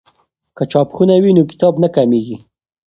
که چاپخونه وي نو کتاب نه کمېږي.